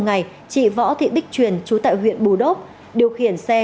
một ngày chị võ thị bích truyền chú tại huyện bù đốt điều khiển xe